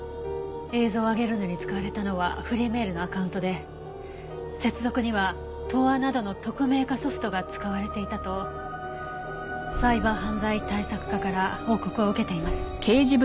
映像を上げるのに使われたのはフリーメールのアカウントで接続にはＴｏｒなどの匿名化ソフトが使われていたとサイバー犯罪対策課から報告を受けています。